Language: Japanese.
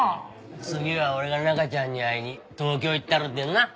次は俺が中ちゃんに会いに東京行ったるでな！